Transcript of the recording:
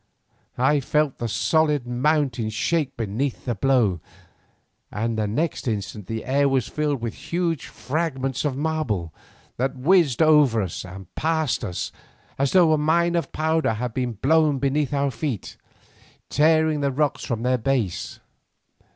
I felt the solid mountain shake beneath the blow, and next instant the air was filled with huge fragments of marble, that whizzed over us and past us as though a mine of powder had been fired beneath our feet, tearing the rocks from their base.